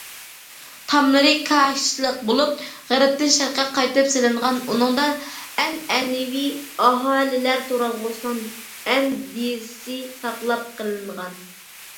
تاملىرى كاھىشلىق بولۇپ، غەربتىن شەرققە قارىتىپ سېلىنغان، ئۇنىڭدا ئەنئەنىۋى ئاھالىلەر تۇرالغۇسىنىڭ ئەندىزىسى ساقلاپ قېلىنغان.